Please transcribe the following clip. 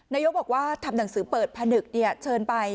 นายกบอกว่าทำหนังสือเปิดผนึกเชิญไป